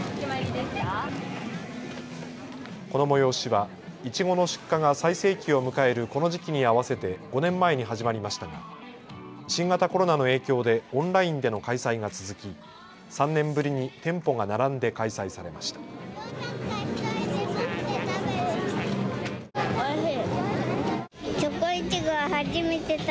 この催しはいちごの出荷が最盛期を迎えるこの時期に合わせて５年前に始まりましたが新型コロナの影響でオンラインでの開催が続き３年ぶりに店舗が並んで開催されました。